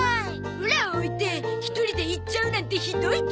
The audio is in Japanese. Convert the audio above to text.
オラを置いて一人で行っちゃうなんてひどいゾ。